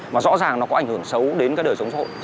mà rõ ràng nó có ảnh hưởng xấu đến cái đời sống xã hội